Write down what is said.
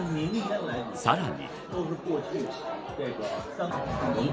さらに。